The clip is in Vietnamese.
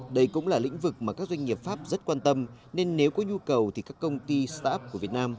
đây cũng là lĩnh vực mà các doanh nghiệp pháp rất quan tâm nên nếu có nhu cầu thì các công ty start up của việt nam